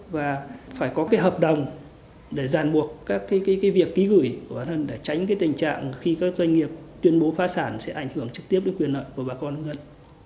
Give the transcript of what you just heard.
và phải có hợp đồng để giàn buộc các việc ký gửi để tránh tình trạng khi các doanh nghiệp tuyên bố phá sản sẽ ảnh hưởng trực tiếp đến quyền nợ của bà con